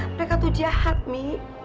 mereka tuh jahat mi